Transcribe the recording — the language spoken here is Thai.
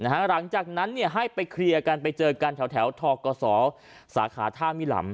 หลังจากนั้นให้ไปเคลียร์กันไปเจอกันแถวทกศสาขาท่ามิลำ